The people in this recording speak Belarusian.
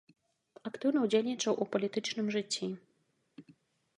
Актыўна ўдзельнічаў у палітычным жыцці.